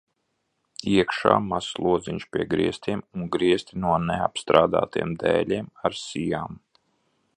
Iekšā mazs lodziņš pie griestiem, un griesti no neapstrādātiem dēļiem ar sijām.